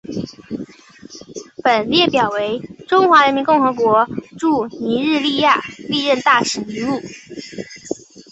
本列表为中华人民共和国驻尼日利亚历任大使名录。